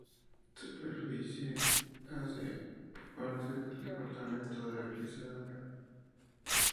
Su superficie hace parte del departamento de Risaralda.